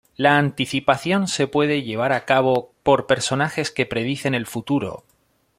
La anticipación se puede llevar a cabo por personajes que predicen el futuro.